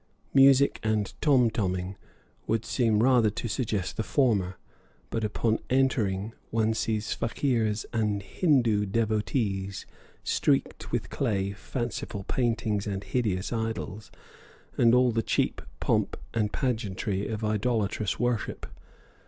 Music and tom toming would seem rather to suggest the former, but upon entering one sees fakirs and Hindoo devotees, streaked with clay, fanciful paintings and hideous idols, and all the cheap pomp and pageantry of idolatrous worship.